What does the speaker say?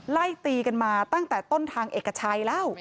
ไล่ตีกันมาตั้งแต่ต้นทางเอกชัยแล้ว